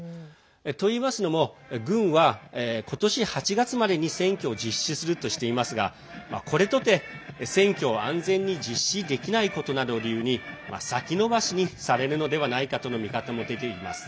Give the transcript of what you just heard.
といいますのも軍は今年８月までに選挙を実施するとしていますがこれとて、選挙を安全に実施できないことなどを理由に先延ばしにされるのではないかとの見方も出ています。